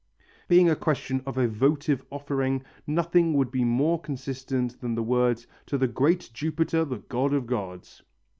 Being a question of a votive offering, nothing would be more consistent than the words, "To the great Jupiter, the god of gods."